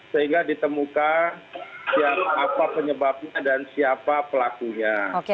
sehingga ditemukan apa penyebabnya dan siapa pelakunya